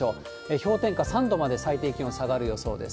氷点下３度まで最低気温下がる予想です。